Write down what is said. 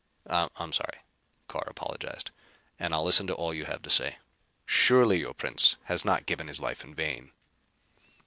"I'm sorry," Carr apologized, "and I'll listen to all you have to say. Surely your prince has not given his life in vain."